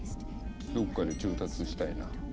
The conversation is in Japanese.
どっかで調達したいなぁ。